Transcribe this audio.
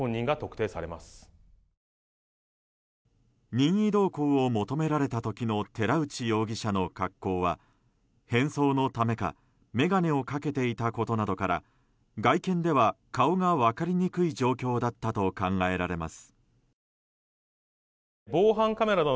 任意同行を求められた時の寺内容疑者の格好は変装のためか眼鏡をかけていたことなどから外見では、顔が分かりにくい状況だったと考えられます。